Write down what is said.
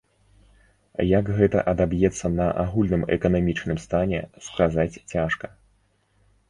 Як гэта адаб'ецца на агульным эканамічным стане, сказаць цяжка.